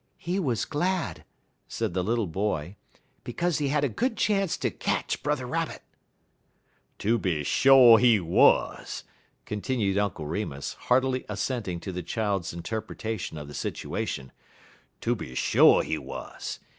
"He was glad," said the little boy, "because he had a good chance to catch Brother Rabbit." "Tooby sho' he wuz," continued Uncle Remus, heartily assenting to the child's interpretation of the situation: "tooby sho' he wuz.